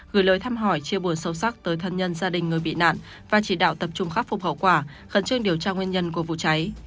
gửi lời thăm hỏi chia buồn sâu sắc tới thân nhân gia đình người bị nạn và chỉ đạo tập trung khắc phục hậu quả khẩn trương điều tra nguyên nhân của vụ cháy